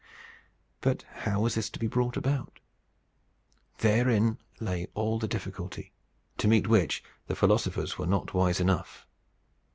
But how was this to be brought about? Therein lay all the difficulty to meet which the philosophers were not wise enough.